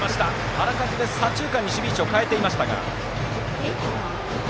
あらかじめ左中間に守備位置を変えていました。